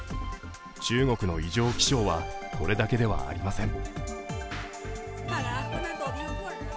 中国の異常気象はこれだけではありません。